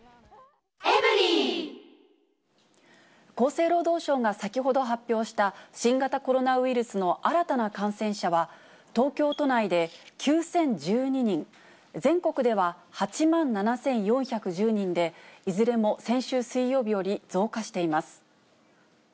厚生労働省が先ほど発表した新型コロナウイルスの新たな感染者は、東京都内で９０１２人、全国では８万７４１０人で、いずれも先週水曜日より増加しています。